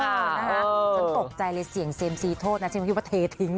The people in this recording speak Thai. ฉันตกใจเลยเสี่ยงเซ็มซีโทษนะฉันไม่คิดว่าเททิ้ง